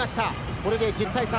これで１０対３。